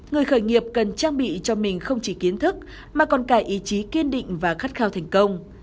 người khởi nghiệp cần trang bị cho mình không chỉ kiến thức mà còn cả ý chí kiên định và khát khao thành công